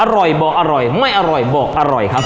อร่อยบอกอร่อยไม่อร่อยบอกอร่อยครับ